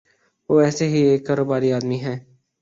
وہ ایسے ہی ایک کاروباری آدمی ہیں۔